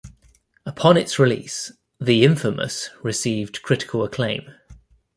Upon its release, "The Infamous..." received critical acclaim.